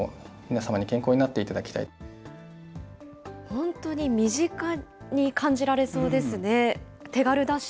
本当に身近に感じられそうですね、手軽だし。